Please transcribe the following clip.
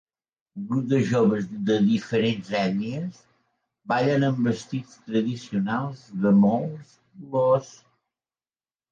Un grup de joves de diferents ètnies ballen amb vestits tradicionals de molts colors